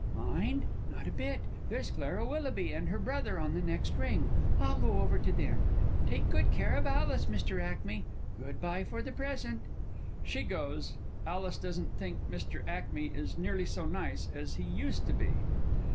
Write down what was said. Mind? Not a bit! There's Clara Willoughby and her brother on the next ring, I'll go over to them. Take good care of Alice, Mr. Ackmey. Good bye for the present. [She goes; ALICE doesn't think MR. A. _is "nearly so nice as he used to be."